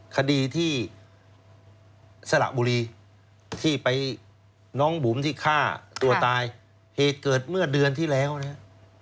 คดีที่สระบุรีที่ไปน้องบุ๋มที่ฆ่าตัวตายเหตุเกิดเมื่อเดือนที่แล้วนะครับ